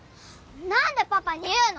何でパパに言うの！？